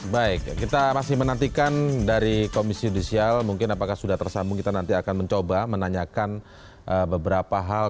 baik kita masih menantikan dari komisi judisial mungkin apakah sudah tersambung kita nanti akan mencoba menanyakan beberapa hal